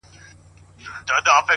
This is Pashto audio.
دا سرګم د خوږې میني شیرین ساز دی-